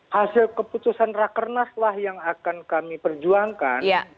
hasil keputusan raker nas lah yang akan kami perjuangkan